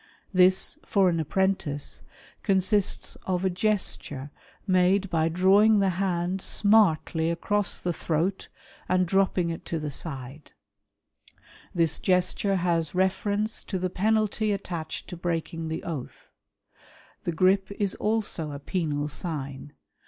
This, for an Apprentice, consists of a gesture made by drawing the hand smartly across the throat and dropping it to the side. FREEMASONRY WITH OURSELVES. 127 This gesture has reference to the penalty attached to breaking tlie oath. The grip is also a penal sign.